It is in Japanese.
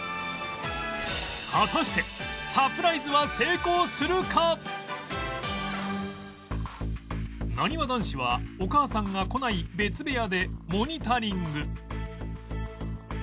果たしてなにわ男子はお母さんが来ない別部屋でモニタリング